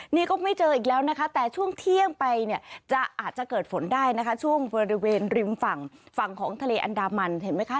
นี่ก็ไม่เจออีกแล้วนะคะแต่ช่วงเที่ยงไปเนี่ยจะอาจจะเกิดฝนได้นะคะช่วงบริเวณริมฝั่งฝั่งของทะเลอันดามันเห็นไหมคะ